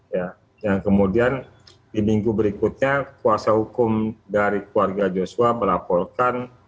ya yang kemudian di minggu berikutnya kuasa hukum dari keluarga joshua melaporkan